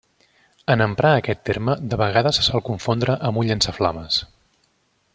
En emprar aquest terme de vegades se sol confondre amb un llançaflames.